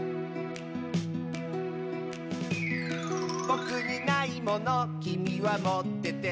「ぼくにないものきみはもってて」